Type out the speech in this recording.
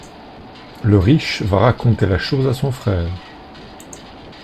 Le riche va raconter la chose à son frère.